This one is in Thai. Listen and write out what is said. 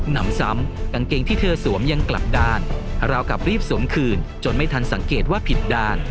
นำซ้ำกางเกงที่เธอสวมยังกลับด้านราวกับรีบสวมคืนจนไม่ทันสังเกตว่าผิดด่าน